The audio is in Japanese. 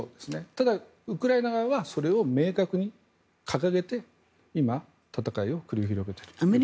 ただ、ウクライナ側はそれを明確に掲げて今、戦いを繰り広げていると思います。